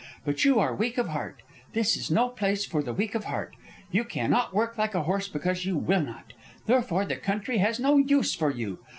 But you are weak of heart. This is no place for the weak of heart. You cannot work like a horse because you will not. Therefore the country has no use for you.